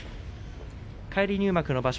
返り入幕の場所